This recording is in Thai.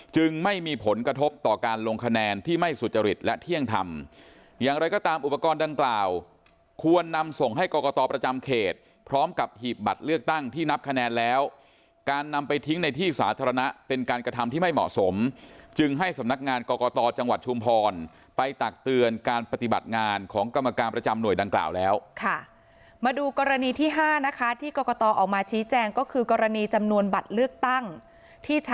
จึงไม่มีผลกระทบต่อการลงคะแนนที่ไม่สุจริตและเที่ยงทำอย่างไรก็ตามอุปกรณ์ดังกล่าวควรนำส่งให้กรกตอประจำเขตพร้อมกับหีบบัตรเลือกตั้งที่นับคะแนนแล้วการนำไปทิ้งในที่สาธารณะเป็นการกระทำที่ไม่เหมาะสมจึงให้สำนักงานกรกตอจังหวัดชุมพรไปตักเตือนการปฏิบัติงานของกรรมการประจำหน่วยดังก